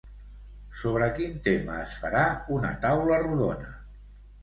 Sobre quin tema es farà una taula rodona?